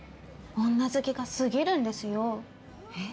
女好きが過ぎるんですよえっ？